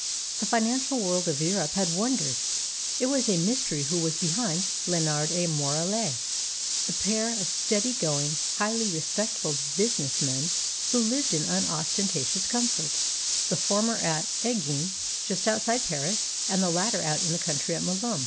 The financial world of Europe had wondered. It was a mystery who was behind Lénard et Morellet, the pair of steady going, highly respectable business men who lived in unostentatious comfort, the former at Enghien, just outside Paris, and the latter out in the country at Melum.